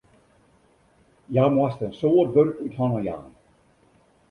Hja moast in soad wurk út hannen jaan.